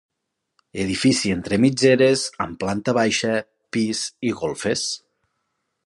Edifici entre mitgeres amb planta baixa, pis i golfes.